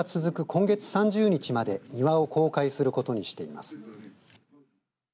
今月３０日まで庭を公開することにしています。